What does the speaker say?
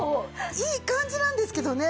いい感じなんですけどね